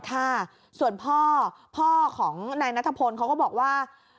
ค่ะส่วนพ่อพ่อของนายนัทพลเขาก็บอกว่า